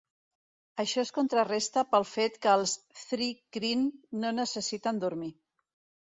Això es contraresta pel fet que els thri-kreen no necessiten dormir.